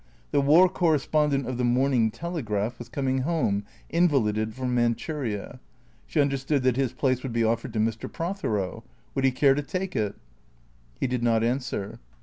The War Correspondent of the " Morning Telegraph " was coming home invalided from Manchuria, She understood that his place would be offered to Mr. Prothero. Would he care to take it? He did not answer.